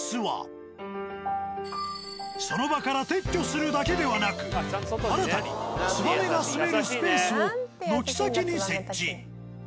その場から撤去するだけではなく新たにツバメが棲めるスペースを軒先に設置。